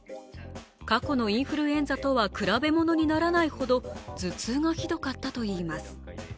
過去のインフルエンザとは比べものにならないほど頭痛がひどかったといいます。